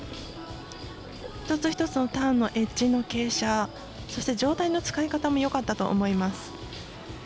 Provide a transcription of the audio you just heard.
一つ一つのターンのエッジの傾斜そして、上体の使い方もよかったと思います。